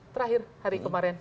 terakhir hari kemarin